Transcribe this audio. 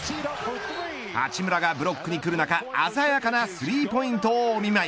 八村がブロックにくる中鮮やかなスリーポイントをお見舞い。